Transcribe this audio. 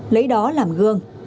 lấy đó làm gương